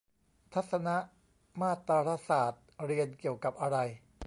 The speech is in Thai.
ทัศนมาตรศาสตร์ เรียนเกี่ยวกับอะไร